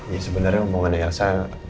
ya sebenarnya ngomongin elsa